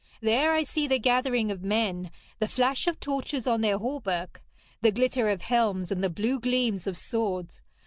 There I see the gathering of men, the flash of torches on their hauberks, the glitter of helms, and the blue gleams of swords.